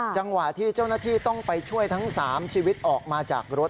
จังหวะที่เจ้าหน้าที่ต้องไปช่วยทั้ง๓ชีวิตออกมาจากรถ